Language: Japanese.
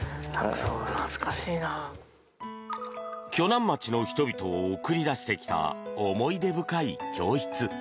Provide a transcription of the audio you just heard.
鋸南町の人々を送り出してきた思い出深い教室。